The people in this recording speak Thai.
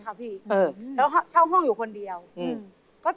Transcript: เจ้าของห้องเขาก็อยู่ใกล้นั้นอ่ะ